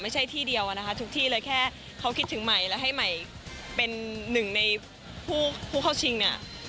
ที่เดียวอะนะคะทุกที่เลยแค่เขาคิดถึงใหม่แล้วให้ใหม่เป็นหนึ่งในผู้เข้าชิงเนี่ย